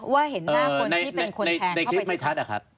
ว่าเห็นหน้าคนที่เป็นคนแทง